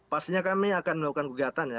pastinya kami akan melakukan kegiatan ya